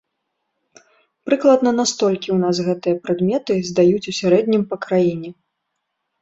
Прыкладна на столькі ў нас гэтыя прадметы здаюць у сярэднім па краіне!